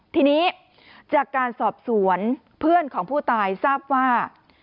ทีนี้จากการสอบสวนเพื่อนของผู้ตายทราบว่า